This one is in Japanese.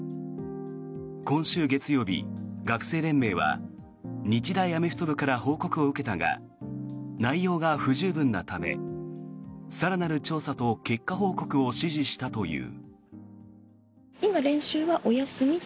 今週月曜日、学生連盟は日大アメフト部から報告を受けたが内容が不十分なため更なる調査と結果報告を指示したという。